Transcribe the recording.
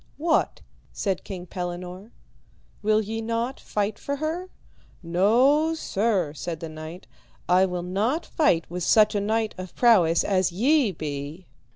What, said King Pellinore, will ye not fight for her? No, sir, said the knight, I will not fight with such a knight of prowess as ye be.